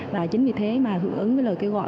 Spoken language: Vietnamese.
và chính vì thế mà hưởng ứng với lời kêu gọi